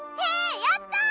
やった！